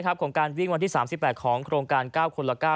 ของการวิ่งวันที่๓๘ของโครงการ๙คนละ๙